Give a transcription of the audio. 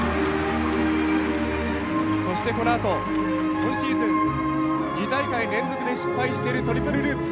そしてこのあと今シーズン２大会連続で失敗してるトリプルループ。